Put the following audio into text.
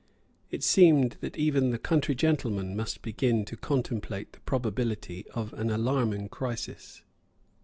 It seemed that even the country gentlemen must begin to contemplate the probability of an alarming crisis.